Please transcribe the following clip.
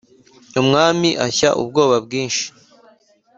umwami ashya ubwoba bwinshi